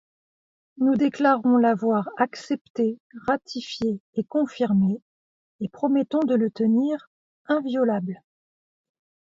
Nous déclarons l'avoir accepté, ratifié et confirmé, et promettons de le tenir inviolable.